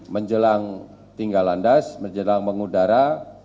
menjelang tinggal landas menjelang mengudara